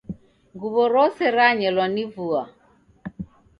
Nguw'o rose ranyelwa ni vua.